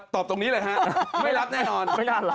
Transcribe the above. ตรงนี้เลยฮะไม่รับแน่นอน